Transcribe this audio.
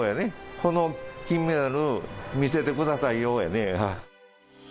その金メダル、見せてくださいよやね。